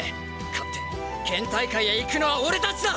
勝って県大会へ行くのは俺たちだ！